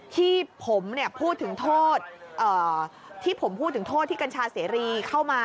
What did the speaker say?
ที่ผมพูดถึงโทษที่ผมพูดถึงโทษที่กัญชาเสรีเข้ามา